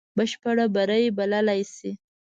بشپړ بری بللای سي.